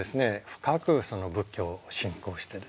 深く仏教を信仰してですね